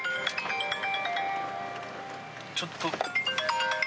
ちょっと。